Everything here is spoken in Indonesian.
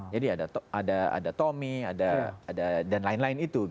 jadi ada tommy ada dan lain lain itu